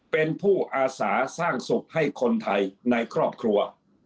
เป็นผู้อาสาสร้างสุขให้คนไทยในครอบครัว